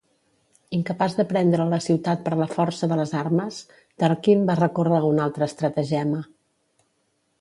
Incapaç de prendre la ciutat per la força de les armes, Tarquin va recórrer a una altra estratagema.